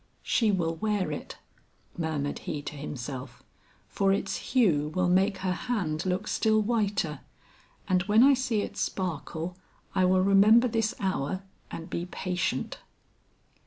"She will wear it," murmured he to himself, "for its hue will make her hand look still whiter, and when I see it sparkle I will remember this hour and be patient."